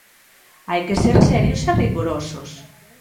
Hai que ser serios e rigorosos.